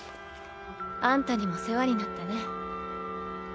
あんたにも世話になったね。